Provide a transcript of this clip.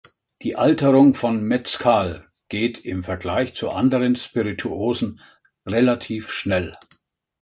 Die Alterung von Mezcal geht im Vergleich zu anderen Spirituosen relativ schnell.